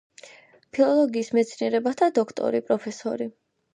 ფილოლოგიის მეცნიერებათა დოქტორი, პროფესორი.